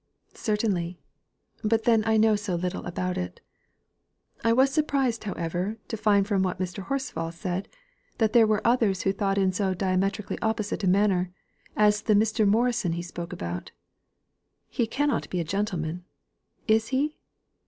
"Certainly. But then I know so little about it. I was surprised, however, to find from what Mr. Horsfall said, that there were others who thought in so diametrically opposite a manner, as the Mr. Morison he spoke about. He cannot be a gentleman is he?"